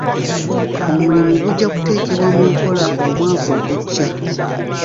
Omulimu gujja kuteekebwa mu nkola omwaka ogujja.